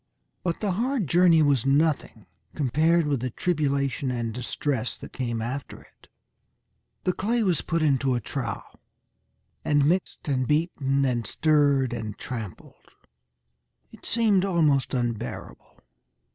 But the hard journey was nothing compared with the tribulation and distress that came after it. The clay was put into a trough and mixed and beaten and stirred and trampled. It seemed almost unbearable.